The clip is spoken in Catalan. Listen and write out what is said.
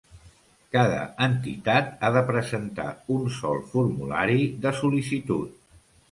Cada entitat ha de presentar un sol formulari de sol·licitud.